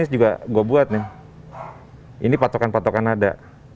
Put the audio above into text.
nah ini juga gue buat ini patokan patokan nada